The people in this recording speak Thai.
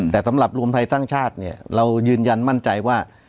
แต่สำหรับรวมไทยสร้างชาติเนี่ยเรายืนยันมั่นใจว่า